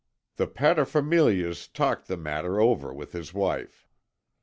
The paterfamilias talked the matter over with his wife.